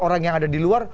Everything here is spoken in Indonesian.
orang yang ada di luar